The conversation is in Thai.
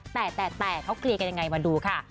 แต่แต่เขาเคลียร์กันยังไงมาดูค่ะ